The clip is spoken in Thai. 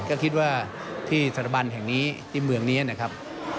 ก็คิดว่าที่สถาบันแห่งนี้ที่เมืองนี้นะครับ